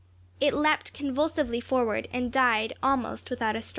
It leaped convulsively forward, and died almost without a struggle.